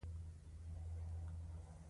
انسان له مرګ وروسته نوی ژوند پیلوي